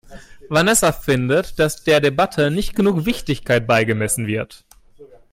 Vanessa findet, dass der Debatte nicht genügend Wichtigkeit beigemessen wird.